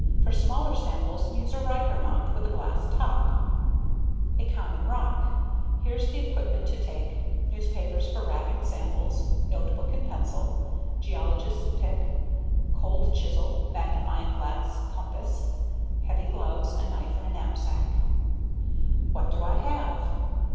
For smaller samples, use a Riker mount with a glass top. [figure captions] A common rock Here's the equipment to take: newspapers for wrapping samples, notebook and pencil, geologist's pick, cold chisel, magnifying glass, compass, heavy gloves, a knife, and a knapsack. What Do I Have?